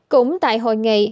cũng tại hội nghị